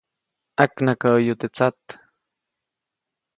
ʼAknakaʼäyu teʼ tsat.